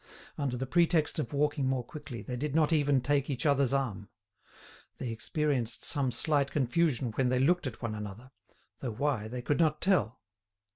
Under the pretext of walking more quickly they did not even take each other's arm. They experienced some slight confusion when they looked at one another, though why they could not tell.